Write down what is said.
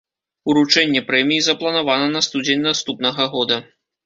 Уручэнне прэміі запланавана на студзень наступнага года.